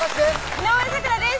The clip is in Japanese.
井上咲楽です